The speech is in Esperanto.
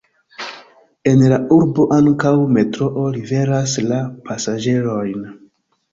En la urbo ankaŭ metroo liveras la pasaĝerojn.